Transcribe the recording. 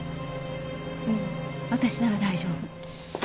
ううん私なら大丈夫。